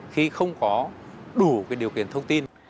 khi không có đủ điều kiện thông tin